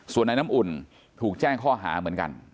ส่วนนายน้ำอุ่นถูกแจ้งข้อหาเหมือนกัน